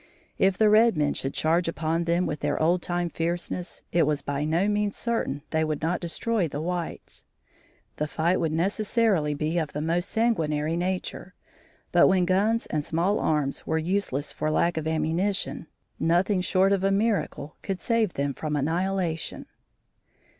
If the red men should charge upon them with their old time fierceness, it was by no means certain they would not destroy the whites. The fight would necessarily be of the most sanguinary nature, but when guns and small arms were useless for lack of ammunition, nothing short of a miracle could save them from annihilation.